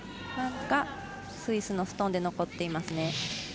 ワンがスイスのストーンで残っていますね。